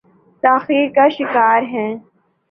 تاخیر کا شکار ہے۔